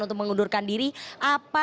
untuk mengundurkan diri apa